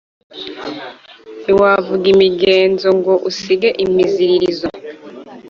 ntiwavuga imigenzo ngo usige imiziririzo.